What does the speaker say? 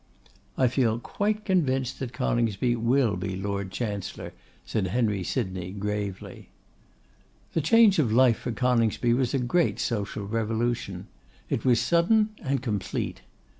'I feel quite convinced that Coningsby will be Lord Chancellor,' said Henry Sydney, gravely. This change of life for Coningsby was a great social revolution. It was sudden and complete.